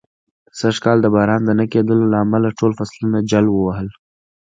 سږ کال د باران د نه کېدلو له امله، ټول فصلونه جل و وهل.